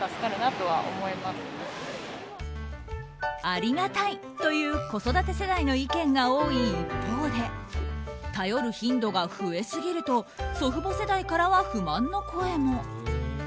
ありがたいという子育て世代の意見が多い一方で頼る頻度が増えすぎると祖父母世代からは不満の声も。